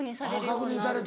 あぁ確認されて。